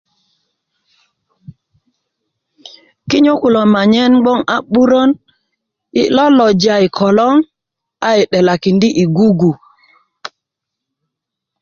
Kinyö kulo manyen bgoŋ a 'burön yi loloja i kolöŋ a yi 'delakindi i gugu